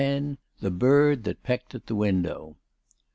THE BIRD THAT PECKED AT THE WINDOW.